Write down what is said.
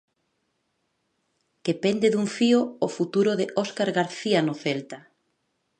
Que pende dun fío o futuro de Óscar García no Celta.